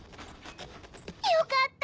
よかった！